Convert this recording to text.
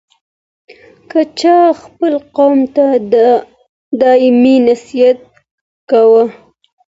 که چا خپل قوم ته دايمي نصيحت کاوه